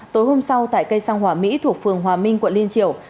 tối hôm sau tại cây xăng hòa mỹ thuộc phường hòa minh quận liên triều